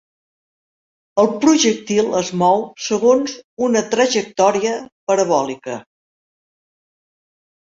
El projectil es mou segons una trajectòria parabòlica.